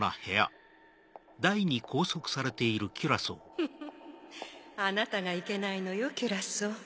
フフっあなたがいけないのよキュラソー。